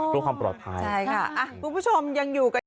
เพื่อความปลอดภัยใช่ค่ะคุณผู้ชมยังอยู่กัน